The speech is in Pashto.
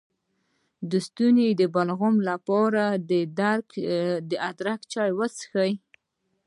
د ستوني د بلغم لپاره د ادرک چای وڅښئ